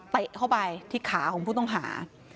เข้าไปที่ขาของผู้ต้องหา